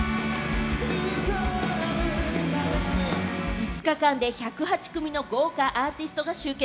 ５日間で１０８組の豪華アーティストが集結。